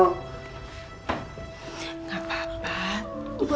gak apa apa pak